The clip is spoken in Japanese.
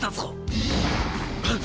はっ！